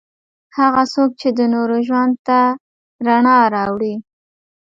هغه څوک چې د نورو ژوند ته رڼا راوړي.